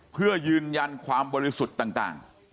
เพื่อยืนยันความบริสุทธิ์ต่าง